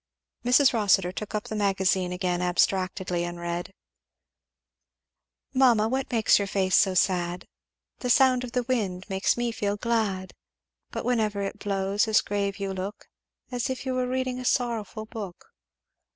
Mrs. Rossitur took up the Magazine again abstractedly, and read "'Mamma, what makes your face so sad? The sound of the wind makes me feel glad; But whenever it blows, as grave you look, As if you were reading a sorrowful book.'